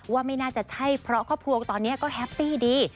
ว่าไม่น่าจะใช่เพราะครอบครัวตอนนี้ก็แฮปปี้ดี